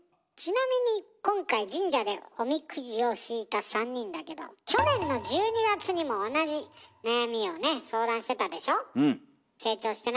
ちなみに今回神社でおみくじを引いた３人だけど去年の１２月にも同じ悩みをね相談してたでしょ？